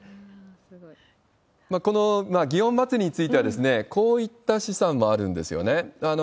この祇園祭については、こういった試算もあるんですよね。